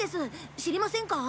知りませんか？